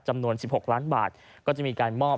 จำนวน๑๖ล้านบาทก็จะมีการมอบ